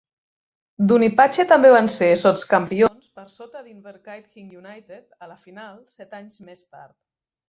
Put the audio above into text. Dunipace també van ser sots-campions per sota d"Inverkeithing United a la final set anys més tard.